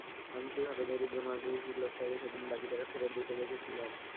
আমি সেই হতদরিদ্র, মাঝবয়সী লোকটাকে সেদিন বাকি টাকা ফেরত দিতে দেখেছিলাম।